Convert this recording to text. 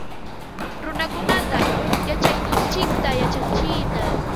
Runakunata yachayninchikta yachachinam